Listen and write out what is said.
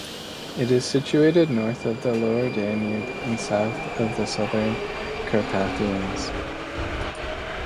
It is situated north of the Lower Danube and south of the Southern Carpathians.